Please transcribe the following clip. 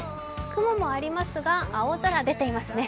雲もありますが青空、出ていますね。